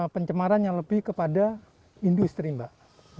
pencemaran yang lebih kepada industri mbak